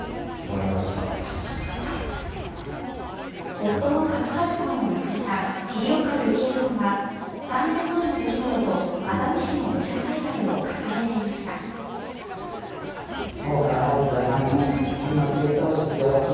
夫の勝治さんを亡くした桐岡幸恵さんは３年前の出来事と熱海市の土砂災害を重ねていました。